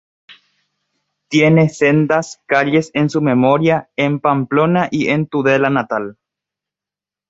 Tiene sendas calles en su memoria, en Pamplona y en su Tudela natal.